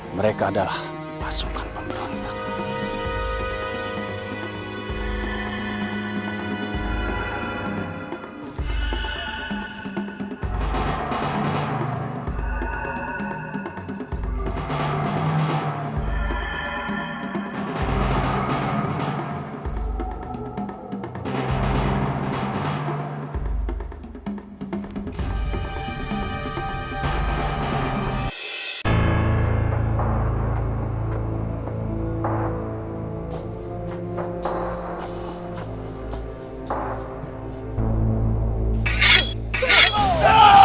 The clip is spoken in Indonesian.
mereka adalah pasukan pemberontak